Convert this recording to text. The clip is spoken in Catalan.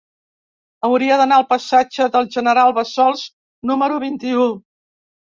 Hauria d'anar al passatge del General Bassols número vint-i-u.